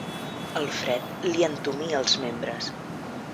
El fred li entumia els membres.